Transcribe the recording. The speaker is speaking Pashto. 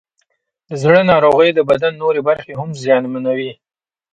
د زړه ناروغۍ د بدن نورې برخې هم زیانمنوي.